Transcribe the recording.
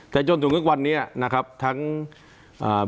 แต่จนถึงทุกวันนี้นะครับทั้งอ่า